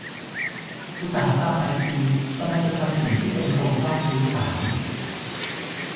อุตสาหกรรมไอทีกำลังจะทำสิ่งที่เป็นโครงสร้างพื้นฐาน